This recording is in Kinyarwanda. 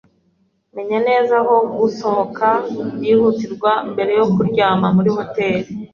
Menya neza aho gusohoka byihutirwa mbere yo kuryama muri hoteri